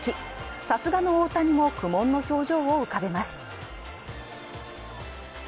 さすがの大谷も苦悶の表情を浮かべます。